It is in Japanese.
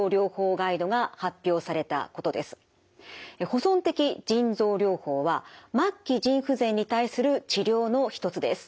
保存的腎臓療法は末期腎不全に対する治療の一つです。